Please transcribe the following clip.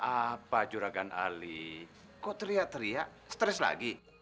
apa juragan ali kok teriak teriak stres lagi